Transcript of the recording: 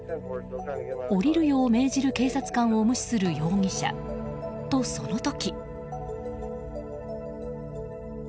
降りるよう命じる警察官を無視する容疑者。と、その時。